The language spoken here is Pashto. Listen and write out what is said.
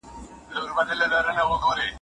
لويه جرګه به د بهرني سياست تګلاره روښانه کړي.